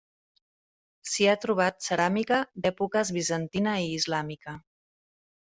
S'hi ha trobat ceràmica d'èpoques bizantina i islàmica.